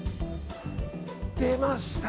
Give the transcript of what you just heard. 出ました！